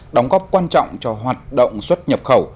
đóng góp quan trọng cho hoạt động xuất nhập khẩu